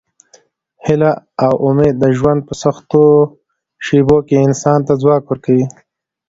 هیله او امید د ژوند په سختو شېبو کې انسان ته ځواک ورکوي.